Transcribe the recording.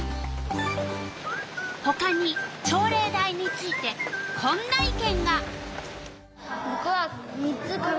ほかに朝礼台についてこんな意見が。